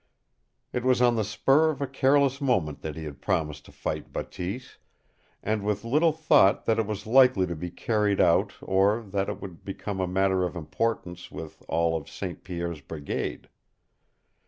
It was on the spur of a careless moment that he had promised to fight Bateese, and with little thought that it was likely to be carried out or that it would become a matter of importance with all of St. Pierre's brigade.